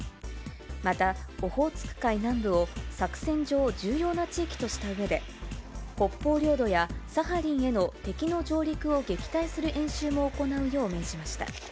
また、オホーツク海南部を、作戦上重要な地域としたうえで、北方領土やサハリンへの敵の上陸を撃退する演習も行うよう命じました。